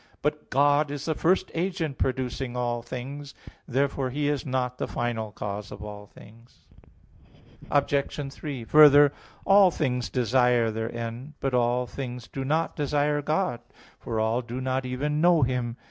But God is the first agent producing all things. Therefore He is not the final cause of all things. Obj. 3: Further, all things desire their end. But all things do not desire God, for all do not even know Him.